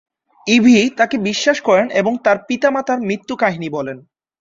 EV তাকে বিশ্বাস করেন এবং তার পিতা-মাতার মৃত্যু কাহিনী বলেন।